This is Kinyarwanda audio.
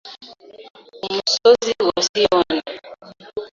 Umusozi wa Siyoni